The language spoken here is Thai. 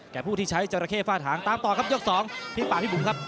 ผู้ที่ใช้จราเข้ฝ้าถางตามต่อครับยก๒พี่ป่าพี่บุ๋มครับ